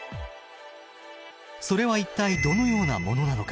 それは一体どのようなものなのか。